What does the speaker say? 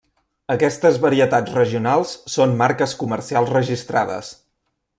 Aquestes varietats regionals són marques comercials registrades.